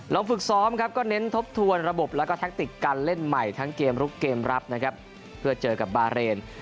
ฝึกซ้อมครับก็เน้นทบทวนระบบแล้วก็แท็กติกการเล่นใหม่ทั้งเกมลุกเกมรับนะครับเพื่อเจอกับบาเรน